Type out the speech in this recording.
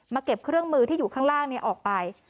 เก็บเครื่องมือที่อยู่ข้างล่างออกไป